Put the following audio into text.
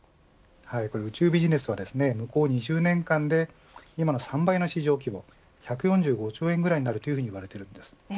宇宙ビジネスは向こう２０年間で今の３倍の市場規模１４５兆円になるといわれています。